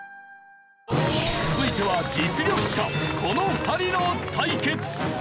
続いては実力者この２人の対決！